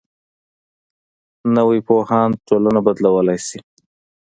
نوی پوهاند ټولنه بدلولی شي